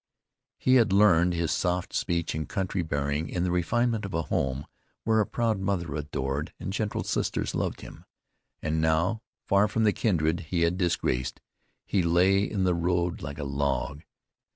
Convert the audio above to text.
He had learned his soft speech and courtly bearing in the refinement of a home where a proud mother adored, and gentle sisters loved him. And now, far from the kindred he had disgraced, he lay in the road like a log.